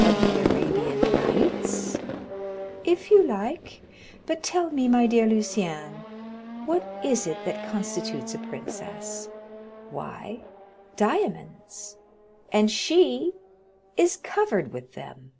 "Of the 'Arabian Nights'." "If you like; but tell me, my dear Lucien, what it is that constitutes a princess. Why, diamonds—and she is covered with them."